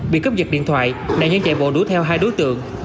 bị cướp giật điện thoại nạn nhân chạy bộ đũa theo hai đối tượng